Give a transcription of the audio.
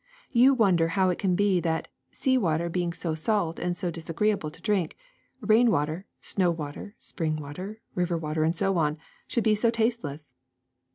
You wonder how it can be that, sea water being so salt and so disagreeable to drink, rain water, snow water, spring water, river water, and so on, should be so tasteless.